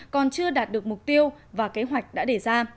còn chưa đạt được mục tiêu và kế hoạch đã đề ra